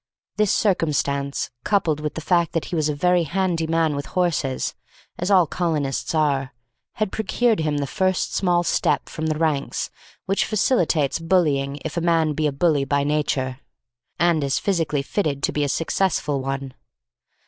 This circumstance, coupled with the fact that he was a very handy man with horses, as all colonists are, had procured him the first small step from the ranks which facilitates bullying if a man be a bully by nature, and is physically fitted to be a successful one.